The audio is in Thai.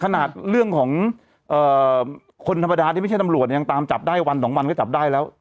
ขนาดเรื่องของคนธรรมดาที่ไม่ใช่ตำรวจยังตามจับได้วันสองวันก็จับได้แล้ว